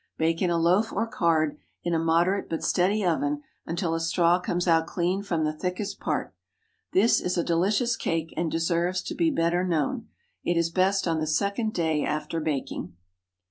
Bake in a loaf or card, in a moderate but steady oven, until a straw comes out clean from the thickest part. This is a delicious cake, and deserves to be better known. It is best on the second day after baking.